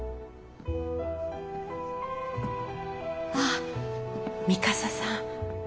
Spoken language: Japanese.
あっ三笠さん。